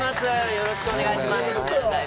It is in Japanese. よろしくお願いします。